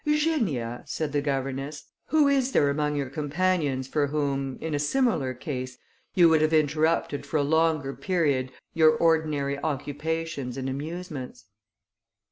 "Eugenia," said the governess, "who is there among your companions for whom, in a similar case, you would have interrupted for a longer period your ordinary occupations and amusements?"